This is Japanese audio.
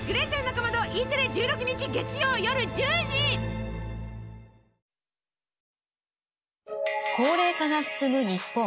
だから高齢化が進む日本。